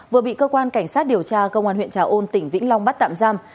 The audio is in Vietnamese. vừa bị cơ quan cảnh sát điều tra công an huyện trà ôn tỉnh vĩnh long bắt tạm giam